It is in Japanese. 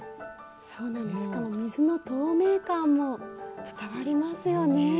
そうなんですしかも水の透明感も伝わりますよね。